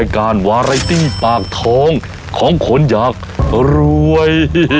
การวาไรตี้ปากท้องของคนอยากรวย